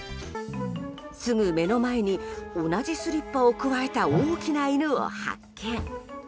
すぐ目の前に同じスリッパをくわえた大きな犬を発見。